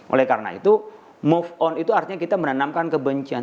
oleh karena itu move on itu artinya kita menanamkan kebencian